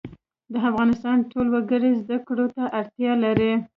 د افغانستان ټول وګړي زده کړو ته اړتیا لري